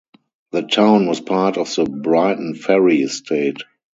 The town was part of the Briton Ferry Estate.